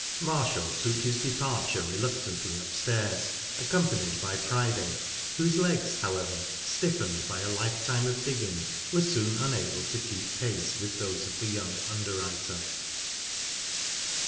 Marshall took his departure reluctantly upstairs, accompanied by Priday, whose legs, however, stiffened by a lifetime of digging, were soon unable to keep pace with those of the young underwriter.